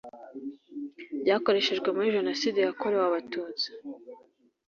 byakoreshejwe muri jenoside yakorewe abatutsi